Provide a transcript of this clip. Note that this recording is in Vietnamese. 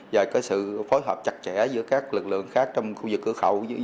và sự phối hợp chặt chẽ giữa các lực lượng khác trong khu vực cửa khẩu